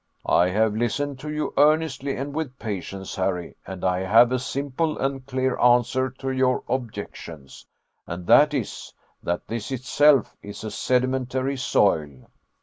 "I have listened to you earnestly and with patience, Harry, and I have a simple and clear answer to your objections: and that is, that this itself is a sedimentary soil."